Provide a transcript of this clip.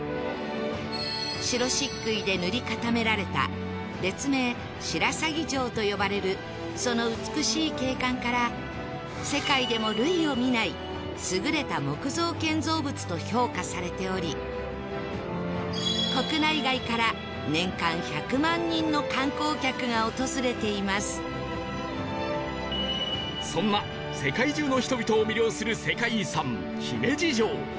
白漆喰で塗り固められた別名白鷺城と呼ばれるその美しい景観から世界でも類を見ない優れた木造建造物と評価されており国内外からそんな世界中の人々を魅了する世界遺産姫路城